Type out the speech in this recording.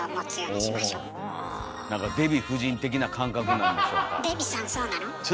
デヴィ夫人的な感覚なんでしょうか。